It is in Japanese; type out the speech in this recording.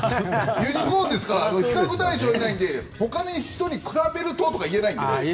ユニコーンですから比較対象がいないのでほかの人と比べるとって言えないので。